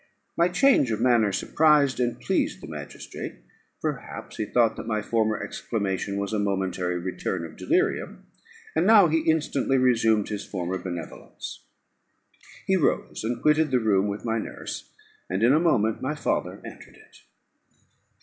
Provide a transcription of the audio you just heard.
My change of manner surprised and pleased the magistrate; perhaps he thought that my former exclamation was a momentary return of delirium, and now he instantly resumed his former benevolence. He rose, and quitted the room with my nurse, and in a moment my father entered it.